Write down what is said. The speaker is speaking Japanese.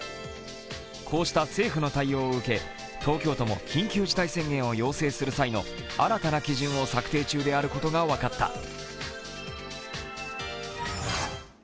こうした政府の対応を受け東京都も緊急事態宣言を要請する際の新たな基準を策定中であることが分かった。